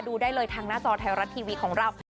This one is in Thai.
ดูได้เลยทางหน้าจอไทยรัฐทีวีของเรา